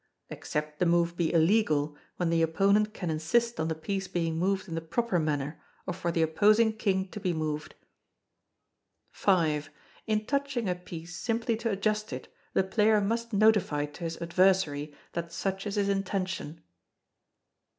[Except the move be illegal, when the opponent can insist on the piece being moved in the proper manner, or for the opposing King to be moved.] v. In touching a piece simply to adjust it, the player must notify to his adversary that such is his intention.